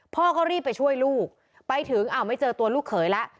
พ่อก็รีบไปช่วยลูกไปถึงอ้าวไม่เจอตัวลูกเขยแล้ว